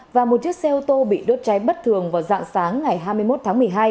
và một chiếc xe ô tô bị đốt cháy bất thường vào dạng sáng ngày hai mươi một tháng một mươi hai